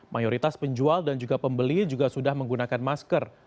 mayoritas penjual dan juga pembeli juga sudah menggunakan masker